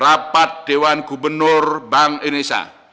rapat dewan gubernur bank indonesia